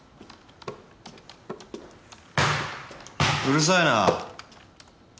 うるさいな。